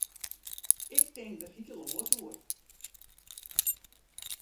Ik tink der heel oars oer.